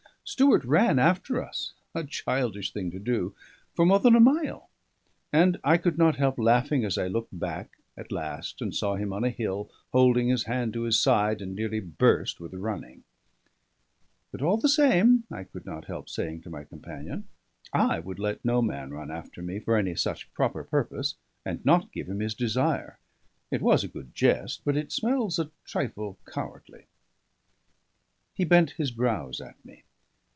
Stewart ran after us, a childish thing to do, for more than a mile; and I could not help laughing, as I looked back at last and saw him on a hill, holding his hand to his side, and nearly burst with running. "But all the same," I could not help saying to my companion, "I would let no man run after me for any such proper purpose, and not give him his desire. It was a good jest, but it smells a trifle cowardly." He bent his brows at me.